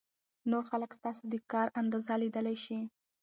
نور خلک ستاسو د کار اندازه لیدلای شي.